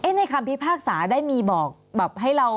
ในคำพิพากษาได้มีบอกแบบให้เรา